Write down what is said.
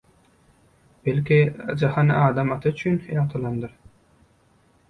Belki, jahan Adam ata üçin ýagtylandyr?!